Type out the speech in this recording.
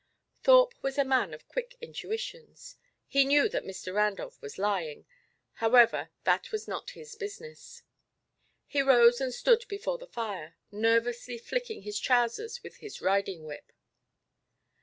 Thorpe was a man of quick intuitions. He knew that Mr. Randolph was lying. However, that was not his business. He rose and stood before the fire, nervously flicking his trousers with his riding whip.